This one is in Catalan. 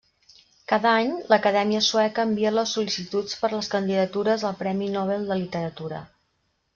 Cada any, l'Acadèmia Sueca envia les sol·licituds per les candidatures al Premi Nobel de Literatura.